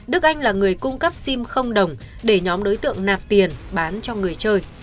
đức anh là người cung cấp sim không đồng để nhóm đối tượng nạp tiền bán cho người chơi